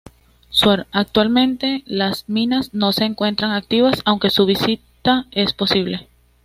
Actualmente las minas no se encuentran activas, aunque su visita es posible.